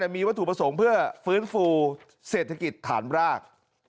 มีวัตถุประสงค์เพื่อฟื้นฟูเศรษฐกิจฐานราก